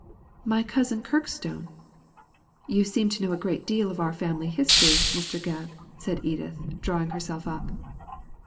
" My cousin Kirkstone ? You seem to know a great deal of our family history, Mr. Gebb," said Edith, drawing herself up.